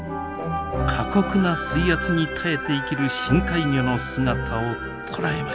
過酷な水圧に耐えて生きる深海魚の姿を捉えました。